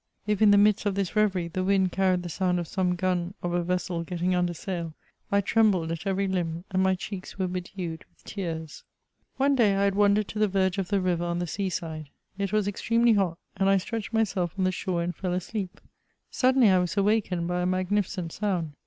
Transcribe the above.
If in the mid^t of this reverie, the wind carried the sound of some gun of a vessel getting under sail, I tremhled at every limh, and my cheeks were hedewed* with teara. One day I had wandered to the verge of the river on the sea side. It was extremely hot, and I stretched myself on the shore and fell asleep Suddenly, I was awakened by a magnificent sound.